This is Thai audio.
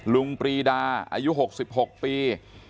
ปรีดาอายุ๖๖ปี